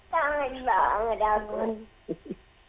tak ada juga gak ada agus